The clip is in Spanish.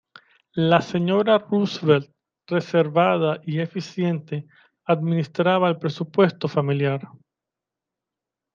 La Sra Roosevelt, reservada y eficiente, administraba el presupuesto familiar.